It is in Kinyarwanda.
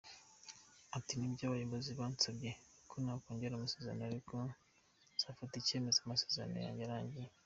Ati“ Nibyo abayobozi bansabye ko nakongera amasezerano ariko nzafata icyemezo amasezerano yanjye arangiye.